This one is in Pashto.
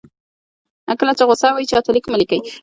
کله چې غوسه وئ چاته لیک مه لیکئ.